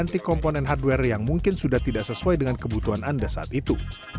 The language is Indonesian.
anti komponen hardware yang mungkin sudah tidak sesuai dengan kebutuhan anda saat itu